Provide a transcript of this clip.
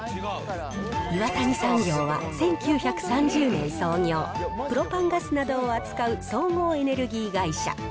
岩谷産業は１９３０年創業、プロパンガスなどを扱う総合エネルギー会社。